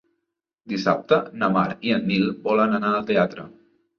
Dissabte na Mar i en Nil volen anar al teatre.